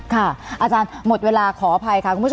ค่ะอาจารย์หมดเวลาขออภัยค่ะ